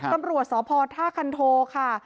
ตำรวจสพท่าคันโทค่ะ